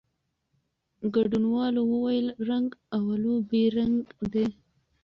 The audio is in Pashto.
ګډونوالو وویل، رنګ "اولو" بېل رنګ دی.